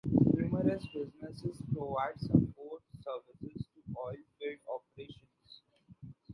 Numerous businesses provide support services to oil field operations.